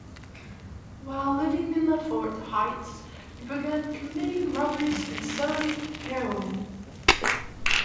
While living in the Ford Heights, he began committing robberies and selling heroin.